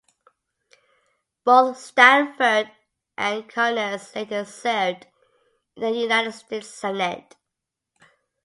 Both Stanford and Conness later served in the United States Senate.